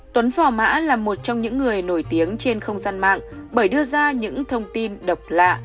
tuấn phò mã là một trong những người nổi tiếng trên không gian mạng bởi đưa ra những thông tin độc lạ